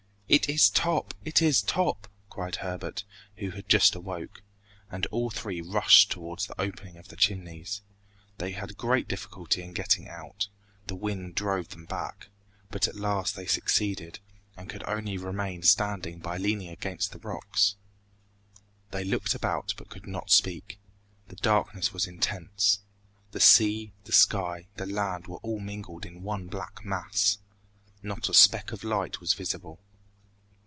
"It is Top! It is Top!" cried Herbert, who had just awoke; and all three rushed towards the opening of the Chimneys. They had great difficulty in getting out. The wind drove them back. But at last they succeeded, and could only remain standing by leaning against the rocks. They looked about, but could not speak. The darkness was intense. The sea, the sky, the land were all mingled in one black mass. Not a speck of light was visible.